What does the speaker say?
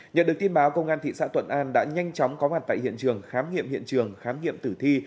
nhận được tin báo công an thị xã thuận an đã nhanh chóng có mặt tại hiện trường khám nghiệm hiện trường khám nghiệm tử thi